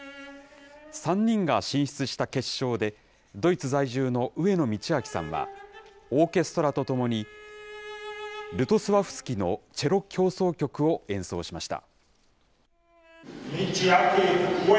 ３人が進出した決勝で、ドイツ在住の上野通明さんは、オーケストラと共に、ルトスワフスキのチェロ協奏曲を演奏しました。